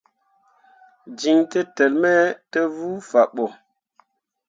Jin tǝtǝlli me tevbu fah ɓo.